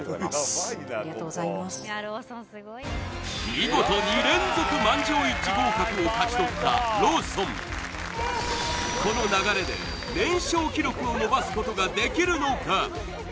見事２連続満場一致合格を勝ち取ったローソンこの流れで連勝記録を伸ばすことができるのか？